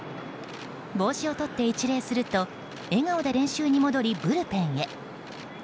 帽子をとって一礼すると笑顔で練習に戻りブルペンへ。